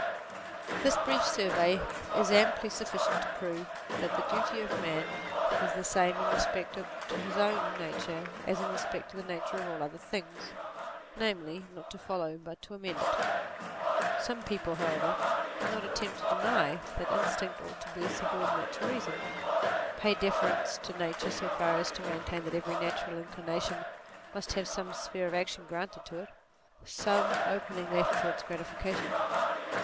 This brief survey is amply sufficient to prove that the duty of man is the same in respect to his own nature as in respect to the nature of all other things, namely not to follow but to amend it. Some people however who do not attempt to deny that instinct ought to be subordinate to reason, pay deference to nature so far as to maintain that every natural incli nation must have some sphere of action granted to it, some opening left for its gratification.